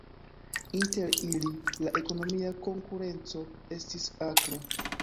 Inter ili, la ekonomia konkurenco estis akra.